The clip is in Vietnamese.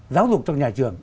giáo dục cho nhà trường